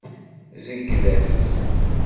Zeyyed-as.